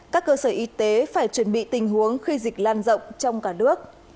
các cơ sở y tế phải chuẩn bị tình huống khi dịch lan rộng trong cả nước